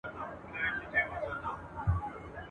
دا تخمونه زرغونیږي او لوییږي !.